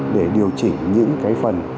để điều chỉnh những cái phần